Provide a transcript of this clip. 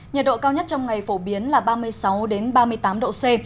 nhiệt độ cao nhất trong ngày phổ biến là ba mươi sáu ba mươi tám độ c